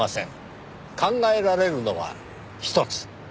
考えられるのは一つ。